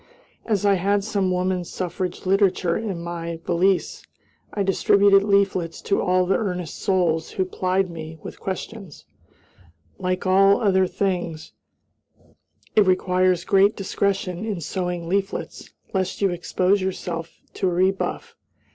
As I had some woman suffrage literature in my valise, I distributed leaflets to all earnest souls who plied me with questions. Like all other things, it requires great discretion in sowing leaflets, lest you expose yourself to a rebuff.